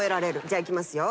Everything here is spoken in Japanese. じゃあいきますよ。